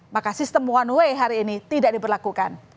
maka sistem one way hari ini tidak diberlakukan